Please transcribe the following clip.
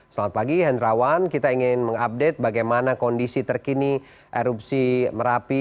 selamat pagi hendrawan kita ingin mengupdate bagaimana kondisi terkini erupsi merapi